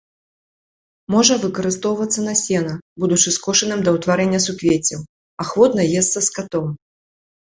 Можа выкарыстоўвацца на сена, будучы скошаным да ўтварэння суквеццяў, ахвотна есца скатом.